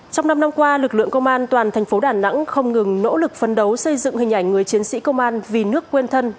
trong năm năm qua lực lượng công an toàn thành phố đà nẵng không ngừng nỗ lực phấn đấu xây dựng hình ảnh người chiến sĩ công an vì nước quên thân